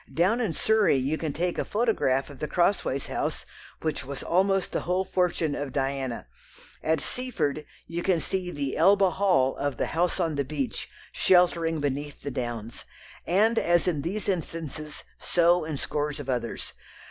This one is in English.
Down in Surrey you can take a photograph of the Crossways House which was almost the whole fortune of Diana, at Seaford you can see the "Elba Hall" of The House on the Beach sheltering beneath the downs, and as in these instances so in scores of others.